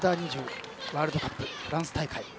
ワールドカップフランス大会。